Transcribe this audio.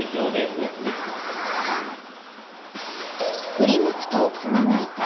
振り向くと熊がいた。